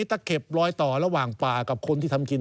ตะเข็บลอยต่อระหว่างป่ากับคนที่ทำกิน